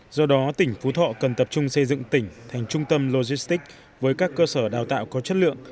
do đó tỉnh phú thọ cần tập trung xây dựng tỉnh thành trung tâm logistics với các cơ sở đào tạo có chất lượng